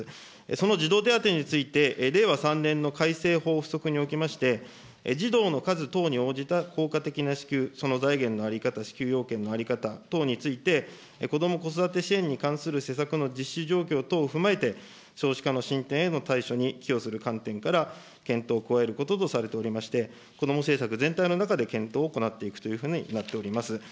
その児童手当について、令和３年の改正法付則におきまして、児童の数等に応じた効果的な支給、その財源の在り方、支給要件の在り方等について、こども・子育て支援に関するせさくの実施状況等を踏まえて、少子化の進展への対処に検討を加えることとされておりまして、こども政策全体の中で検討を行っていくというふうになっております。